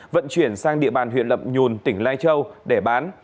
vận chuyển sang địa bàn huyện lậm nhùn tỉnh lai châu để bán